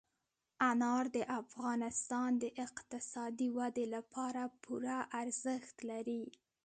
انار د افغانستان د اقتصادي ودې لپاره پوره ارزښت لري.